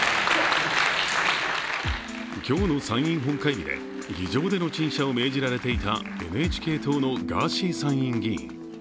今日の参院本会議で議場での陳謝を命じられていたＮＨＫ党のガーシー参院議員。